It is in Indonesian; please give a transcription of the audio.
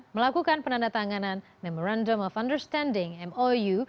melakukan penandatanganan memorandum of understanding mou